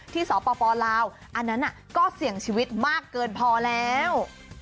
สปลาวอันนั้นก็เสี่ยงชีวิตมากเกินพอแล้ว